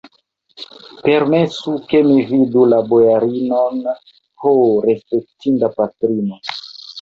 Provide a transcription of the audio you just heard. Permesu, ke mi vidu la bojarinon, ho, respektinda patrino!